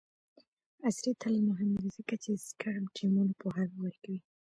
عصري تعلیم مهم دی ځکه چې د سکرم ټیمونو پوهاوی ورکوي.